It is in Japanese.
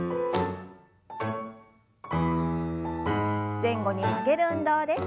前後に曲げる運動です。